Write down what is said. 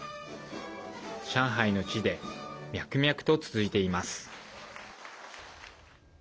上海の地で脈々と続いています。